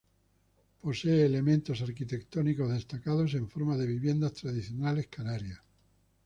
Posee elementos arquitectónicos destacados en forma de viviendas tradicionales canarias.